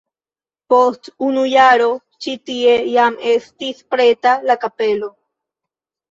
Post unu jaro ĉi tie jam estis preta la kapelo.